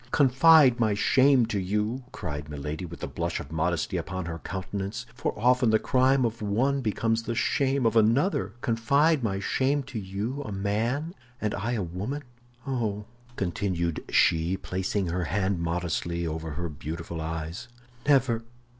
"Confide my shame to you," cried Milady, with the blush of modesty upon her countenance, "for often the crime of one becomes the shame of another—confide my shame to you, a man, and I a woman? Oh," continued she, placing her hand modestly over her beautiful eyes, "never!